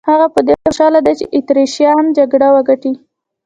هغه په دې خوشاله دی چې اتریشیان جګړه وګټي.